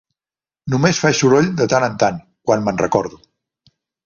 Només faig soroll de tant en tant, quan me'n recordo.